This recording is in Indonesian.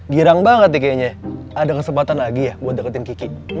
girang banget nih kayaknya ada kesempatan lagi ya buat deketin kiki